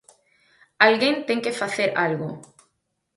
Alguén ten que facer algo.